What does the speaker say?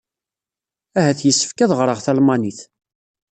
Ahat yessefk ad ɣreɣ talmanit.